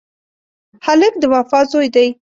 هلک د وفا زوی دی.